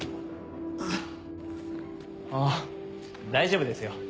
あぁあ大丈夫ですよ。